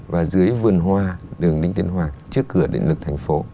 và dưới vườn hoa đường đến tiên hoàng trước cửa định lực thành phố